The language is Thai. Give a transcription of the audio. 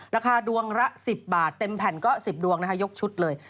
ราคาดวงละ๑๐บาทเต็มแผ่นก็๑๐ดวงนะคะยกชุดเลย